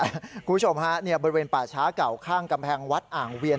คุณผู้ชมฮะบริเวณป่าช้าเก่าข้างกำแพงวัดอ่างเวียน